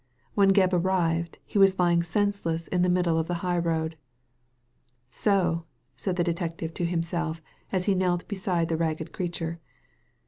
When Gebb arrived he was lying senseless in the middle of the high road. " So !" said the detective to himself, as he knelt beside the ragged creature.